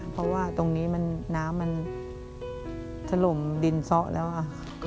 เพราะว่าตรงนี้น้ำมันถล่มดินซะแล้วค่ะ